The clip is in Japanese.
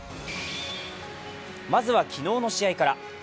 まずは昨日の試合から。